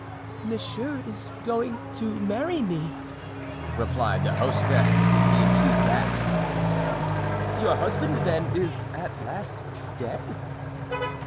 "Monsieur is going to marry me," replied the hostess, between two gasps. "Your husband, then, is at last dead?"